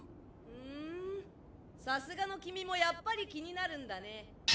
ふんさすがの君もやっぱり気になるんだね。